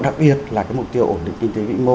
đặc biệt là cái mục tiêu ổn định kinh tế vĩ mô